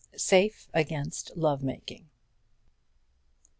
SAFE AGAINST LOVE MAKING.